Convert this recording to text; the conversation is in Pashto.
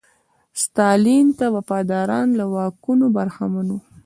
ستالین ته وفاداران له واکونو برخمن وو.